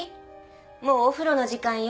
もうお風呂の時間よ。